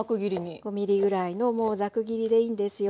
５ｍｍぐらいのざく切りでいいんですよ。